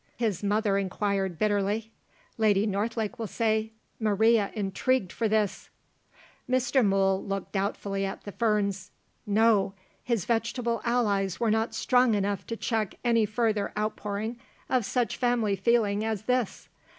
his mother inquired bitterly. "Lady Northlake will say, 'Maria intrigued for this!'" Mr. Mool looked doubtfully at the ferns. No! His vegetable allies were not strong enough to check any further outpouring of such family feeling as this.